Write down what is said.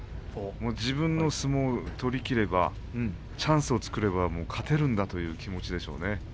自分の相撲を取りきればチャンスを作れば勝てるんだという気持ちでしょうね。